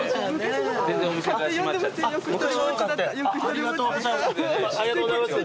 ありがとうございます。